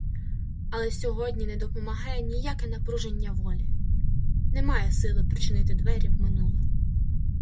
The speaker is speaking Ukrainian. Але сьогодні не допомагає ніяке напруження волі, — немає сили причинити двері в минуле.